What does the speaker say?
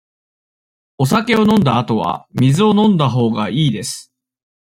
お酒を飲んだあとは、水を飲んだほうがいいです。